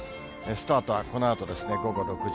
スタートはこのあと午後６時。